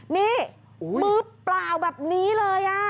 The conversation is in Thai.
นี่มือเปล่าแบบนี้เลย